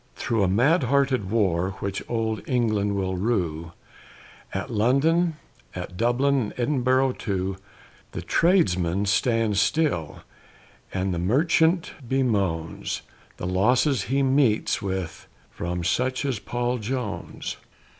Thro' a mad hearted war, which old England will rue, At London, at Dublin, and Edinburgh, too, The tradesmen stand still, and the merchant bemoans The losses he meets with from such as Paul Jones.